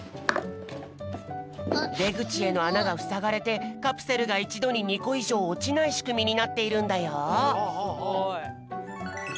でぐちへのあながふさがれてカプセルがいちどに２こいじょうおちないしくみになっているんだよ！